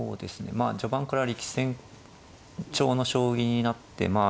まあ序盤から力戦調の将棋になってまあ